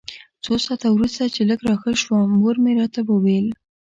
څو ساعته وروسته چې لږ راښه شوم مور مې راته وویل.